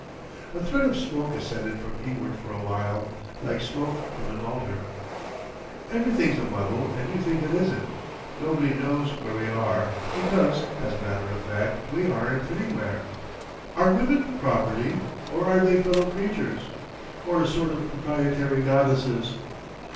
A thread of smoke ascended from Ewart for a while, like smoke from an altar. "Everything's a muddle, and you think it isn't. Nobody knows where we are—because, as a matter of fact we aren't anywhere. Are women property—or are they fellow creatures? Or a sort of proprietary goddesses?